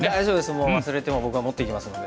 もう忘れても僕が持っていきますので。